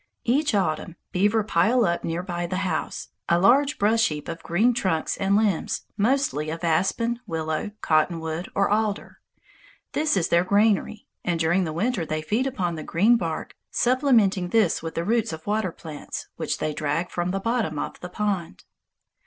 Each autumn beaver pile up near by the house, a large brush heap of green trunks and limbs, mostly of aspen, willow, cottonwood, or alder. This is their granary, and during the winter they feed upon the green bark, supplementing this with the roots of water plants, which they drag from the bottom of the pond.